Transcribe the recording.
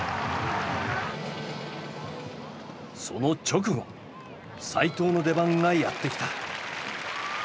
その直後齋藤の出番がやって来た。